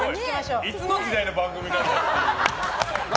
いつの時代の番組だよ！